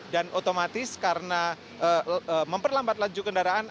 dan otomatis karena memperlambat laju kendaraan